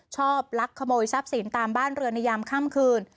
ชอบลักขโมยทรัพย์ศีลตามบ้านเรือนยามข้ามคืน